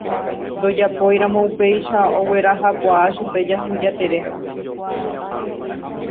Ndojapóiramo upéicha oguerahakuaa chupe Jasy Jatere.